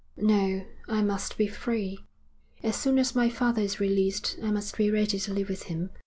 'No, I must be free. As soon as my father is released I must be ready to live with him.